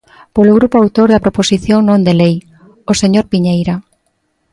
Polo grupo autor da proposición non de lei, o señor Piñeira.